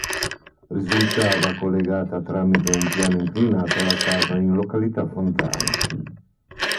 Risultava collegata tramite un piano inclinato alla cava in località Fontana.